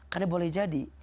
karena boleh jadi